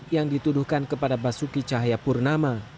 yang dituduhkan kepada basuki cahaya purnama